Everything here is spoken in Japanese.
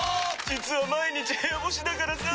実は毎日部屋干しだからさ。